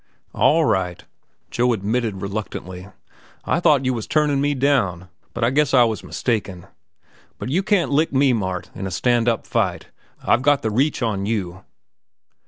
"All right," Joe admitted reluctantly. "I thought you was turnin' me down, but I guess I was mistaken. But you can't lick me, Mart, in a stand up fight. I've got the reach on you."